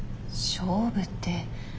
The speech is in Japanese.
勝負って。